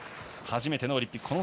初めてのオリンピック。